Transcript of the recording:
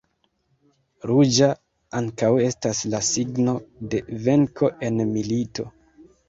Ruĝa ankaŭ estas la signo de venko en milito.